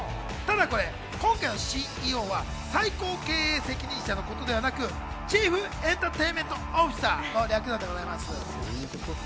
ただこれ、今回のＣＥＯは最高経営責任者のことではなく、チーフ・エンターテインメント・オフィサーの略なんです。